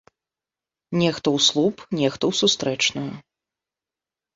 Нехта ў слуп, нехта у сустрэчную.